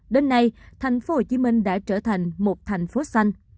đến nay tp hcm đã trở thành một thành phố xanh